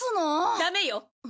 ダメよ！